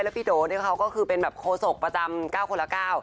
แล้วพี่โดเนี่ยเขาคือเป็นโฆษกประจ่ำ๙คนละ๙